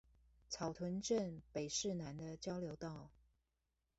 草屯鎮北勢湳的交流道